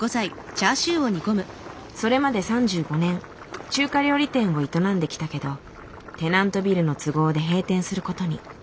それまで３５年中華料理店を営んできたけどテナントビルの都合で閉店することに。